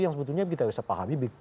yang sebetulnya kita bisa pahami